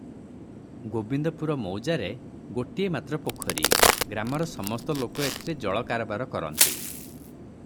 ଗୋବିନ୍ଦପୁର ମୌଜାର ଗୋଟିଏ ମାତ୍ର ପୋଖରୀ; ଗ୍ରାମର ସମସ୍ତଲୋକ ଏଥିରେ ଜଳ କାରବାର କରନ୍ତି ।